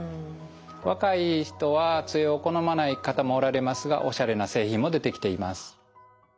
若い人はつえを好まない方もおられますがおしゃれな製品も出てきています。